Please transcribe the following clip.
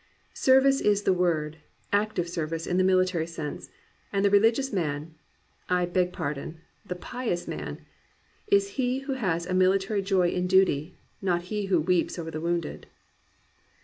Service is the word, active service in the military sense; and the religious man — I beg pardon, the pious man — is he who has a military joy in duty, — not he who weeps over the wounded."